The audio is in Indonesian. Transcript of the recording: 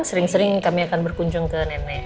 sering sering kami akan berkunjung ke nenek